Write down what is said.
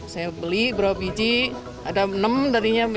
saya beli beberapa biji ada enam